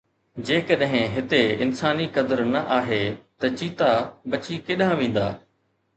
جيڪڏهن هتي انساني قدر نه آهي ته چيتا بچي ڪيڏانهن ويندا؟